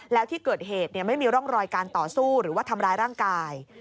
แล้วที่เกิดเหตุไม่มีร่องรอยการต่อสู้หรือว่าทำร้ายร่างกาย